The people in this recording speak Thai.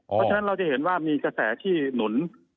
เพราะฉะนั้นเราจะเห็นว่ามีกระแสที่หนุน